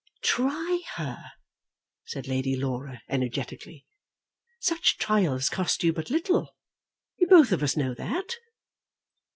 "Try her," said Lady Laura energetically. "Such trials cost you but little; we both of us know that!"